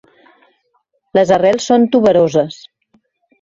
Les arrels són tuberoses.